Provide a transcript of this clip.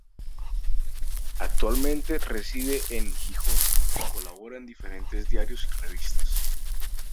Actualmente reside en Gijón y colabora en diferentes diarios y revistas.